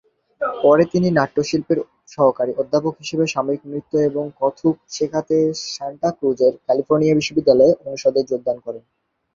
পরে তিনি নাট্য শিল্পের সহকারী অধ্যাপক হিসাবে সমসাময়িক নৃত্য এবং কত্থক শেখাতে সান্টা ক্রুজের ক্যালিফোর্নিয়া বিশ্ববিদ্যালয়ের অনুষদে যোগদান করেন।